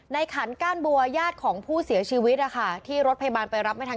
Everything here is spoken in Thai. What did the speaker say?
ขันก้านบัวญาติของผู้เสียชีวิตนะคะที่รถพยาบาลไปรับไม่ทัน